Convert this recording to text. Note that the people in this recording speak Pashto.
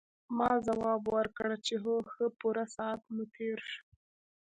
ما ځواب ورکړ چې هو ښه پوره ساعت مو تېر شو.